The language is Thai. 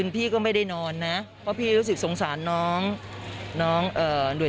พ่อคุณแม่กับพ่อครัวอย่างนี้เลย